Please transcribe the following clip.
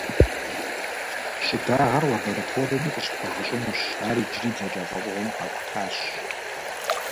Щӏыдагъэр лабораторэми къыщыпхуэгъэщӏынущ, ар иджыри блэкӏа лӏэщӏыгъуэм къахутащ.